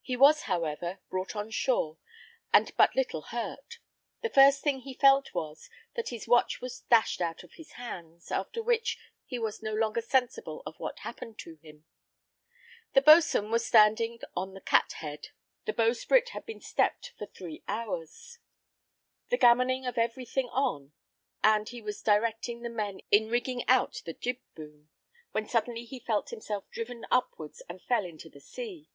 He was, however, brought on shore, and but little hurt; the first thing he felt was, that his watch was dashed out of his hands, after which he was no longer sensible of what happened to him. The boatswain was standing on the cat head, the bowsprit had been stepped for three hours; the gammoning and every thing on; and he was directing the men in rigging out the jib boom, when suddenly he felt himself driven upwards and fell into the sea.